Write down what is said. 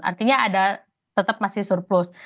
artinya ada tetap masih surplus